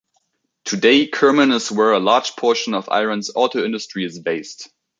Today, Kerman is where a large portion of Iran's auto industry is based.